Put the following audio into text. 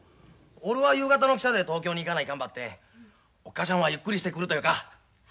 おるは夕方の汽車で東京に行かないかんばってんおっ母しゃんはゆっくりしてくるとよか。